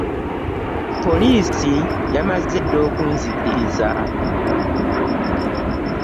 Poliisi yamaze dda okunzikiriza.